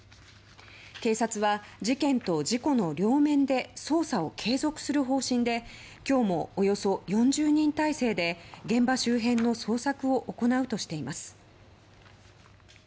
警察は事件と事故の両面で捜査を継続する方針で今日もおよそ４０人態勢で現場周辺の捜索を行うとしています。